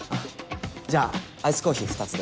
じゃあアイスコーヒー２つで。